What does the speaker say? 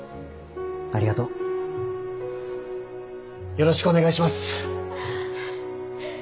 よろしくお願いします！